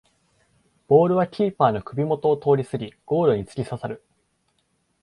ボールはキーパーの首もとを通りすぎゴールにつきささる